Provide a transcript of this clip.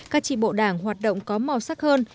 các tri bộ đảng hoạt động có màu sắc hơn